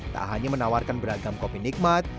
tak hanya menawarkan beragam kopi nikmat